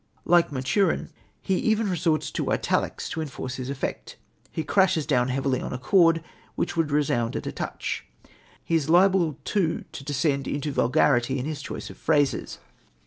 Like Maturin, he even resorts to italics to enforce his effect. He crashes down heavily on a chord which would resound at a touch. He is liable too to descend into vulgarity in his choice of phrases.